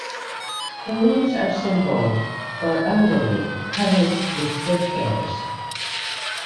The leaves are simple or undulate, covered with stiff hairs.